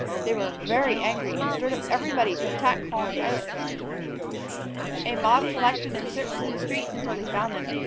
They were very angry and stirred up everybody to attack Paul and Silas. A mob collected and searched through the streets until they found them.